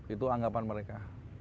itu anggapan mereka